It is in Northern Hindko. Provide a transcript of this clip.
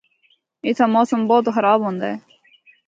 اِتھا موسم بہت خراب ہوندا ہے۔